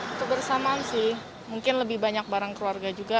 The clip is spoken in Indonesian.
untuk bersamaan sih mungkin lebih banyak barang keluarga juga